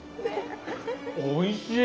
おいしい！